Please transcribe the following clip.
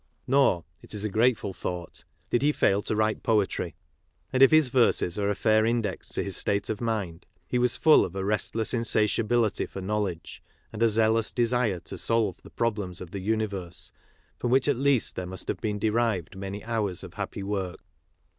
Nor — it is a grateful thought — did he fail to write poetry ; and if his verses are a fair index to his state of mind, he was full of a restless insatiability for knowledge, and a zealous desire to solve the problems of the universe, from which at least there must have been derived many hours of happy work.